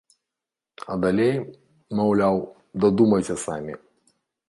А далей, маўляў, дадумайце самі.